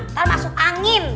ntar masuk angin